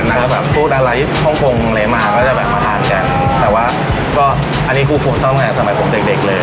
นะครับแบบทุกด้านไลฟ์ฮ่องเลยมาก็จะแบบมาทานกันแต่ว่าก็อันนี้คู่คุมสร้างงานสมัยผมเด็กเด็กเลย